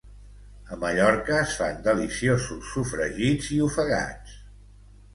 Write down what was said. A Mallorca es fan deliciosos sofregits i ofegats